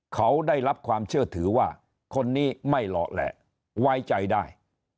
เขาได้รับความเชื่อถือว่าคนนี้ไม่เหลาะแหละไว้ใจได้